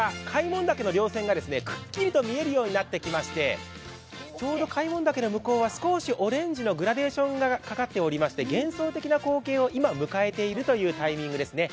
開聞岳のりょう線がきっちりと見えるようになってきましてちょうど開聞岳の向こうは少しオレンジのグラデーションがかかっていまして幻想的な光景を今迎えているというタイミングです。